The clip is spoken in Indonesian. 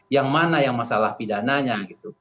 yang mana yang masalah pidananya gitu